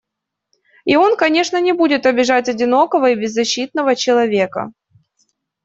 И он, конечно, не будет обижать одинокого и беззащитного человека.